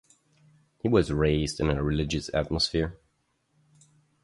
He was raised in a religious atmosphere.